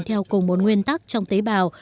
theo cùng một nguyên tắc trong tế bào